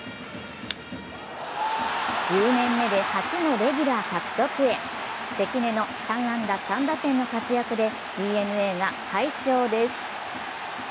１０年目で初のレギュラー獲得へ、関根の３安打３打点の活躍でＤｅＮＡが快勝です。